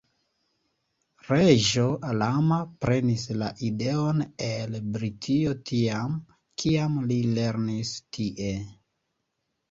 Reĝo Rama prenis la ideon el Britio tiam, kiam li lernis tie.